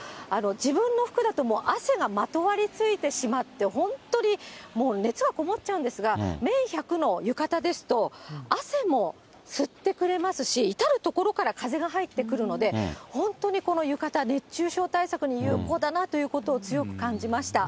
自分の服だともう汗がまとわりついてしまって、本当にもう、熱がこもっちゃうんですが、綿１００の浴衣ですと汗も吸ってくれますし、至る所から風が入ってくるので、本当にこの浴衣、熱中症対策に有効だなということを、強く感じました。